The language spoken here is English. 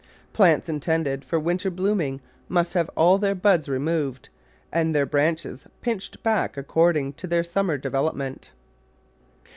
Plants intended for winter blooming must have all their buds removed and their branches pinched back according to their summer development.